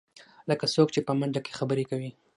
لکه څوک چې په منډه کې خبرې کوې.